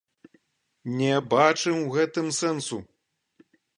Не бачым у гэтым сэнсу.